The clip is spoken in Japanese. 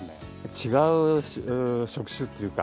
違う職種というか、